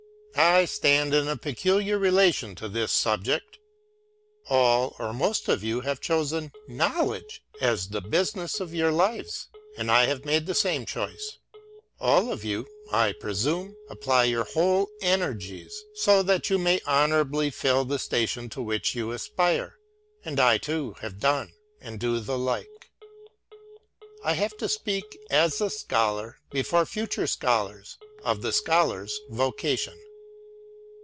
I stand in a peculiar relation to this subject. All, or most of you, have chosen knowledge as the business of your lives; and I have made the same choice: — all of you, I pre sume, apply your whole energies, so that you may honour ably fill the station to which you aspire; and I too have done, and do the like. I have to speak as a Scholar, before future Scholars, of the Scholar's Vocation.